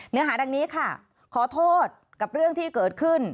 เนื้อหาดังนี้ค่ะขอโทษกับเรื่องที่เกิดขึ้น